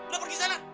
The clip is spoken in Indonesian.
lepur ke sana